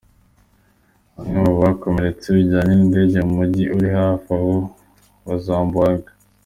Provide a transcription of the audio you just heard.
Bamwe mu bakomeretse bajyanwe n'indege mu mujyi uri hafi aho wa Zamboanga.